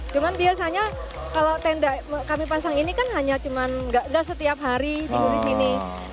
cuman biasanya kalau tenda kami pasang ini kan hanya cuma nggak setiap hari tidur di sini